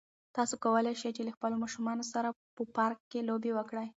تاسو کولای شئ چې له خپلو ماشومانو سره په پارک کې لوبې وکړئ.